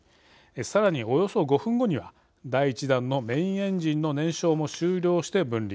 さらに、およそ５分後には第１段のメインエンジンの燃焼も終了して分離。